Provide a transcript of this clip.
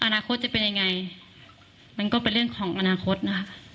อนาคตจะเป็นยังไงมันก็เป็นเรื่องของอนาคตนะคะ